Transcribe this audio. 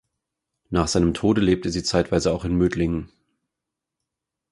Nach seinem Tode lebte sie zeitweise auch in Mödling.